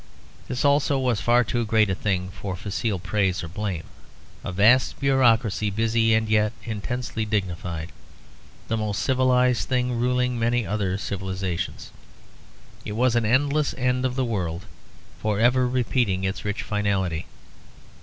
This also was far too great a thing for facile praise or blame, a vast bureaucracy busy and yet intensely dignified, the most civilised thing ruling many other civilisations. It was an endless end of the world; for ever repeating its rich finality.